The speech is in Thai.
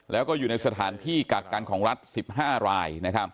แล้วก็อยู่ในสถานที่กักกันของรัฐ๑๕ราย